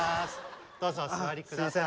どうぞお座り下さい。